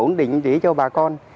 nó định chỉ cho bà con